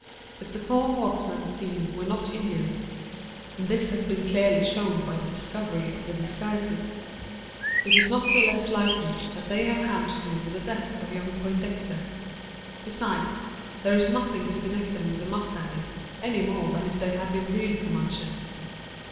If the four horsemen seen were not Indians and this has been clearly shown by the discovery of the disguises it is not the less likely that they have had to do with the death of young Poindexter. Besides, there is nothing to connect them with the mustanger, any more than if they had been real Comanches.